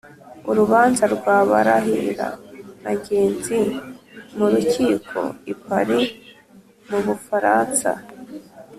Urubanza rwa Barahira na Ngenzi m'urukiko i Paris m'Ubufaransa.